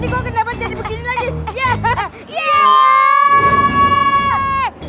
ini kok kenapa jadi begini lagi